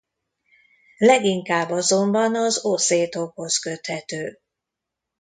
Leginkább azonban az oszétokhoz köthető.